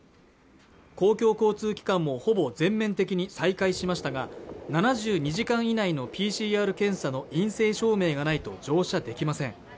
公共交通機関もほぼ全面的に再開しましたが７２時間以内のＰＣＲ検査の陰性証明がないと乗車できません